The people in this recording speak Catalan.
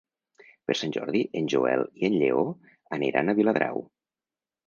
Per Sant Jordi en Joel i en Lleó aniran a Viladrau.